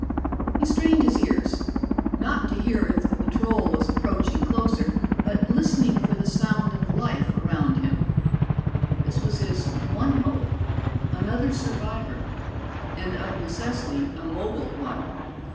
He strained his ears, not to hear if the patrol was approaching closer, but listening for the sound of life around him. This was his one hope another survivor, and of necessity a mobile one.